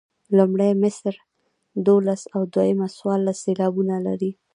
لومړۍ مصرع دولس او دویمه څوارلس سېلابونه لري.